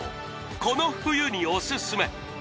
この冬におすすめ